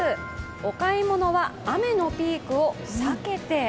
お買い物は雨のピークを避けて。